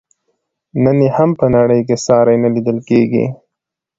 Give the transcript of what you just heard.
نن یې هم په نړۍ کې ساری نه لیدل کیږي.